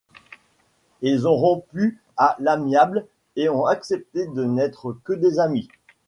Ils ont rompu à l'amiable et ont accepté de n'être que des amis.